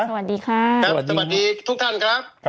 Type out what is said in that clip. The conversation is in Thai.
สวัสดีค่ะ